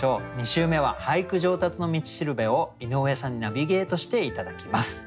２週目は俳句上達の道しるべを井上さんにナビゲートして頂きます。